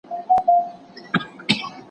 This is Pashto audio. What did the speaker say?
تشریحي بیان د موضوع په پوهېدو کې مرسته کوي.